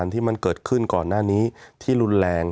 มีความรู้สึกว่ามีความรู้สึกว่า